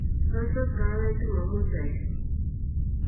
lolsot kahawechu mamuch aee